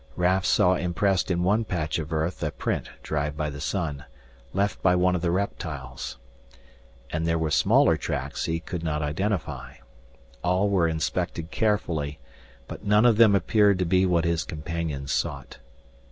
Raf saw impressed in one patch of earth a print dried by the sun, left by one of the reptiles. And there were smaller tracks he could not identify. All were inspected carefully, but none of them appeared to be what his companions sought.